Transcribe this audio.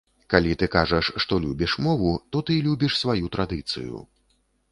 Калі ты кажаш, што любіш мову, то ты любіш сваю традыцыю.